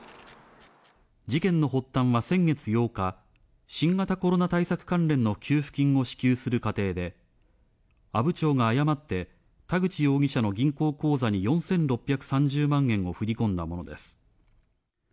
事件の発端は先月８日、新型コロナ対策関連の給付金を支給する過程で、阿武町が誤って田口容疑者の銀行口座に４６３０万円を振り込んだものです。